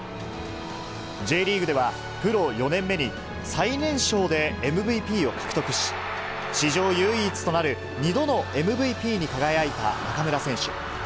Ｊリーグでは、プロ４年目に最年少でＭＶＰを獲得し、史上唯一となる２度のＭＶＰに輝いた中村選手。